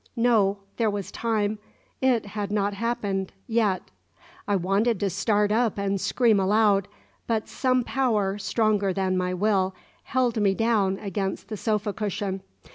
No; there was time. It had not happened yet. I wanted to start up and scream aloud. But some power, stronger than my will, held me down against the sofa cushion.